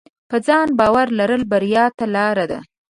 په ځان باور لرل بریا ته لار ده.